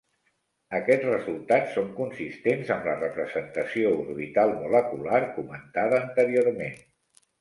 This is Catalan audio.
Aquests resultats són consistents amb la representació orbital molecular comentada anteriorment.